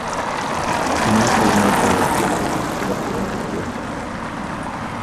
ئۇنىڭ خىزمەت ھاياتى ئوقۇتقۇچىلىق بىلەن ئۆتكەن.